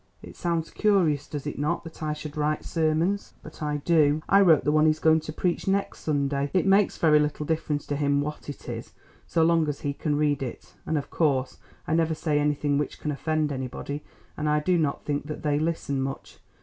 It sounds curious, does it not, that I should write sermons? But I do. I wrote the one he is going to preach next Sunday. It makes very little difference to him what it is so long as he can read it, and, of course, I never say anything which can offend anybody, and I do not think that they listen much.